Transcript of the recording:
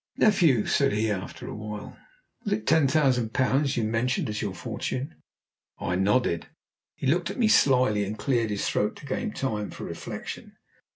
"Nephew," said he after a while, "was it ten thousand pounds you mentioned as your fortune?" I nodded. He looked at me slyly and cleared his throat to gain time for reflection.